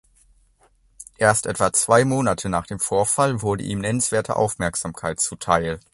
Erst etwa zwei Monate nach dem Vorfall wurde ihm nennenswerte Aufmerksamkeit zuteil.